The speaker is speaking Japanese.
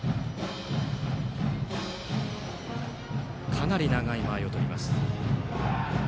かなり長い間合いをとっています。